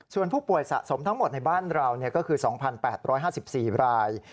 ส่วนผู้ป่วยสะสมทั้งหมดในบ้านเราก็คือ๒๘๕๔ราย